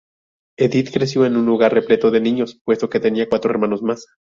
Edith creció en un hogar repleto de niños, puesto que tenía cuatro hermanos más.